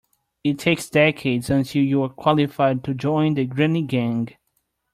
It takes decades until you're qualified to join the granny gang.